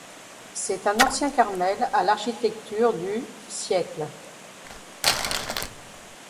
C'est un ancien carmel à l'architecture du siècle.